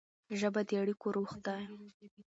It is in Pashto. ژبه د اړیکو روح ده.